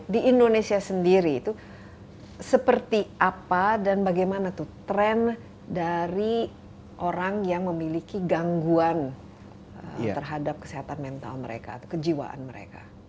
di indonesia sendiri itu seperti apa dan bagaimana tuh tren dari orang yang memiliki gangguan terhadap kesehatan mental mereka atau kejiwaan mereka